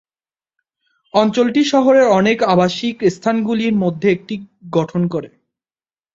অঞ্চলটি শহরের অনেক আবাসিক স্থানগুলির মধ্যে একটির গঠন করে।